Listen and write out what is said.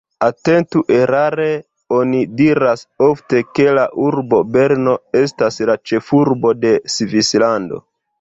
Atentu erare oni diras ofte, ke la urbo Berno estas la ĉefurbo de Svislando.